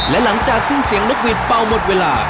และหลังจากสิ้นเสียงนกหวีดเป่าหมดเวลา